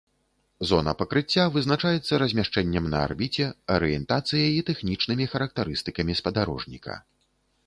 Зона пакрыцця вызначаецца размяшчэннем на арбіце, арыентацыяй і тэхнічнымі характарыстыкамі спадарожніка.